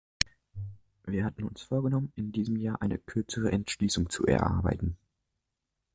Wir hatten uns vorgenommen, in diesem Jahr eine kürzere Entschließung zu erarbeiten.